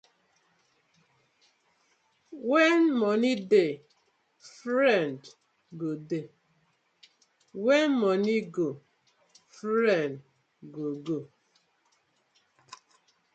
When money dey, friend go dey, when money go, friend go go.